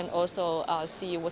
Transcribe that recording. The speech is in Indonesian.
dan juga lihat apa yang baru